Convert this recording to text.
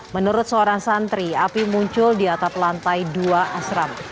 menurut seorang santri api muncul di atap lantai dua asrama